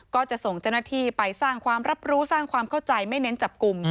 ก็จะส่งเจ้าหน้าที่ไปสร้างความรับรู้สร้างความเข้าใจไม่เน้นจับกลุ่ม